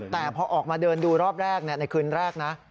แต่พอออกมาเดินดูรอบแรกในคืนแรกนะ